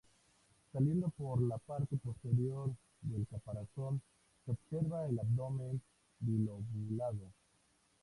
Saliendo por la parte posterior del caparazón se observa el abdomen bilobulado.